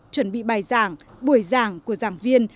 chuẩn bị bài giảng buổi giảng của giảng viên